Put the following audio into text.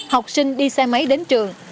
học sinh đi xe máy đến trường